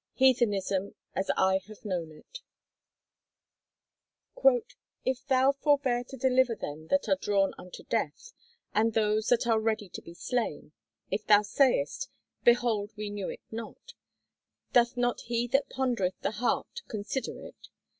*Heathenism As I Have Known It* "_If thou forbear to deliver them that are drawn unto death, and those that are ready to be slain; if thou sayest, Behold we knew it not; doth not he that pondereth the heart consider it?